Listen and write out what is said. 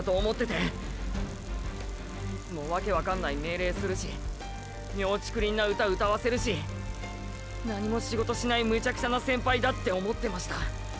いつもワケわかんない命令するし妙ちくりんな歌歌わせるし何も仕事しないムチャクチャな先輩だって思ってました。